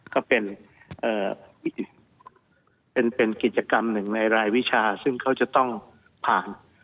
ก็เป็นกิจกรรมหนึ่งในรายวิชาซึ่งเขาจะต้องผ่าน